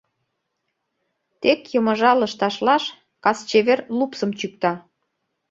Тек йымыжа лышташлаш Кас чевер лупсым чӱкта.